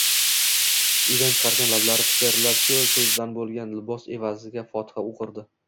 Uydan chiqarkan lablari pichirlab, shu bo'zdan bo'lgan libos egasiga «Fotiha» o'qirdi.